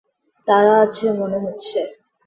তাড়া আছে মনে হচ্ছে?